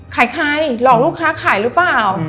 ขายใครหลอกลูกค้าขายรึเปล่าอืม